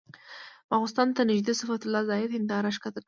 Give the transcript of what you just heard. ماخستن ته نږدې صفت الله زاهدي هنداره ښکته کړه.